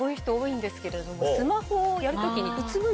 スマホをやる時に。